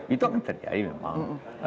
itu akan terjadi memang